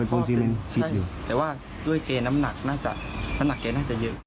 เป็นปูนซีมินใช่แต่ว่าด้วยเกณฑ์น้ำหนักน่าจะเยอะ